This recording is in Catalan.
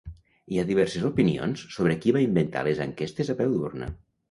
Hi ha diverses opinions sobre qui va inventar les enquestes a peu d'urna.